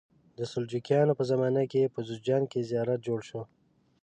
د سلجوقیانو په زمانه کې په جوزجان کې زیارت جوړ شو.